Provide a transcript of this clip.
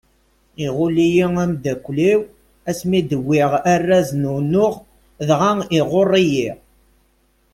Iɣul-iyi umeddakel-iw asmi d-wwiɣ araz n unuɣ, dɣa iɣuṛṛ-iyi!